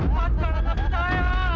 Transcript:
buatkan anakku saya